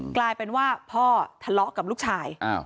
กลายเป็นว่าพ่อทะเลาะกับลูกชาย